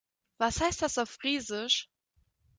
Was heißt das auf Friesisch?